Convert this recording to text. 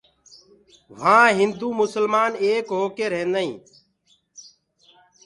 وهآن هندو مسلمآن ايڪ هوڪي ريهدآئين